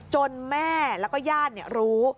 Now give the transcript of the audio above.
แม่แล้วก็ญาติรู้